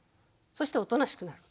そしておとなしくなる。